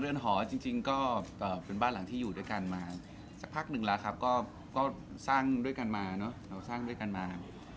เรือนหอจริงก็เป็นบ้านหลังที่อยู่ด้วยกันมาสักพักหนึ่งละครับก็สร้างด้วยกันมา